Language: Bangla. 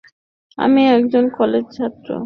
আমি একজন কলেজ ছাত্র।